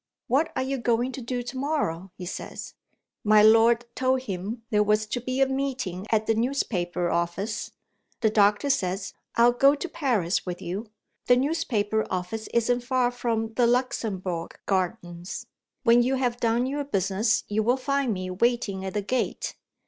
What are you going to do to morrow?' he says. My lord told him there was to be a meeting at the newspaper office. The doctor says: 'I'll go to Paris with you. The newspaper office isn't far from the Luxembourg Gardens. When you have done your business, you will find me waiting at the gate.